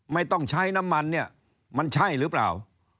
ไม่ต้องใช้น้ำมันเนี่ยมันใช่หรือเปล่า